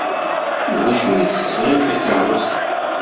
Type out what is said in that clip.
I wacu ay d-tesɣiḍ takeṛṛust-a?